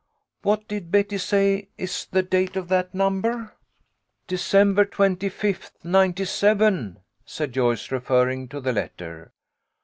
What did Betty say is the date of that number ?"" December twenty fifth, ninety seven," said Joyce, referring to the letter.